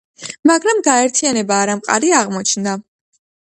მაგრამ გაერთიანება არამყარი აღმოჩნდა.